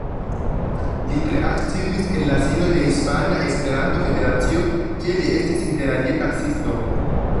Li tre aktivis en la sino de Hispana Esperanto-Federacio, kie li estis interalie kasisto.